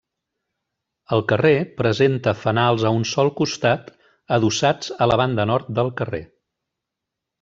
El carrer presenta fanals a un sol costat, adossats a la banda nord del carrer.